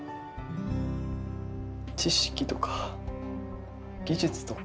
知識とか技術とか。